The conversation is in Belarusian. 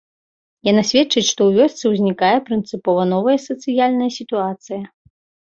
Яна сведчыць, што ў вёсцы ўзнікае прынцыпова новая сацыяльная сітуацыя.